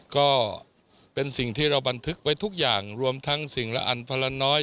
ก็เป็นสิ่งที่เราบันทึกไว้ทุกอย่างรวมทั้งสิ่งละอันพลน้อย